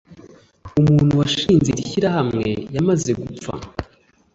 umuntu washinje iri shyirahamwe yamaze gupfa